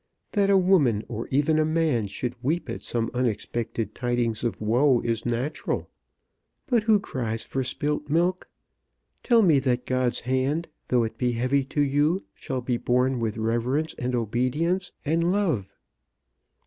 That a woman, or even a man, should weep at some unexpected tidings of woe is natural. But who cries for spilt milk? Tell me that God's hand, though it be heavy to you, shall be borne with reverence and obedience and love."